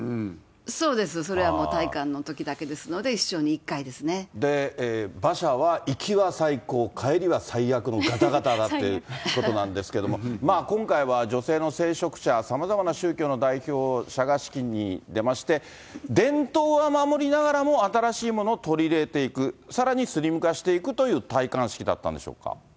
そうです、それはもう戴冠のときだけですので、馬車は、行きは最高、帰りは最悪のがたがただっていうことなんですけど、今回は女性の聖職者、さまざまな宗教の代表者が式に出まして、伝統は守りながらも、新しいものを取り入れていく、さらにスリム化していくという戴冠式だったんでしょうか。